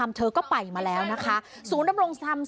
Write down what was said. สุดทนแล้วกับเพื่อนบ้านรายนี้ที่อยู่ข้างกัน